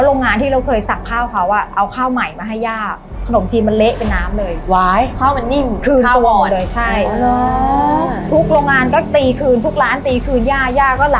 คุณย่าก็รับคืนเงินเงียงเขา